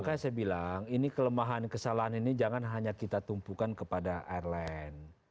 makanya saya bilang ini kelemahan kesalahan ini jangan hanya kita tumpukan kepada airline